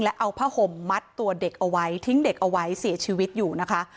และเอาผ้าห่มมัดตัวเด็กเอาไว้ทิ้งเด็กเอาไว้เสียชีวิตอยู่นะคะ